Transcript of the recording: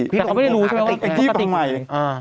แต่เขาไม่ได้รู้ใช่ไหมว่าไอ้พี่พังใหม่